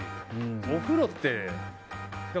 お風呂って。